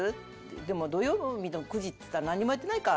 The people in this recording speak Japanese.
「でも土曜日の９時っつったらなんにもやってないか」。